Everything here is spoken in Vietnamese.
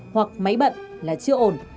hoặc máy bận là chưa ổn